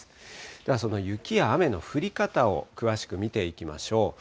では、その雪や雨の降り方を詳しく見ていきましょう。